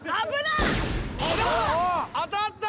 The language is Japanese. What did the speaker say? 当たった！